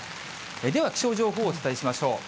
では気象情報をお伝えしましょう。